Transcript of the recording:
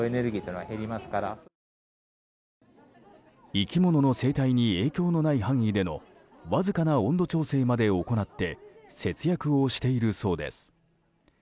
生き物の生体に影響のない範囲でのわずかな温度調整まで行って節約をしているそうです。